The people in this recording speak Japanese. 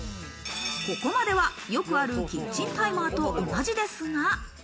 ここまでは、よくあるキッチンタイマーと同じですが。